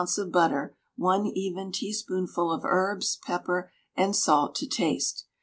of butter, 1 even teaspoonful of herbs, pepper and salt to taste.